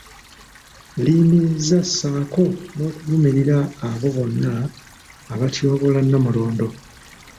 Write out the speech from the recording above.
Liyimiriza ssaako n'okuvumirira abo bonna abatyoboola Nnamulondo